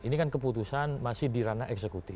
ini kan keputusan masih dirana eksekuti